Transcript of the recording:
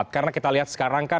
karena kita lihat sekarang kan